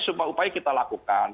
supaya kita lakukan